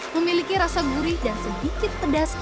memiliki rasa gurih dan sedikit pedas